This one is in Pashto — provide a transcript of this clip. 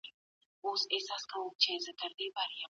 تاجکتبارو وروڼو ته د ژبني غرور او سلطې احساس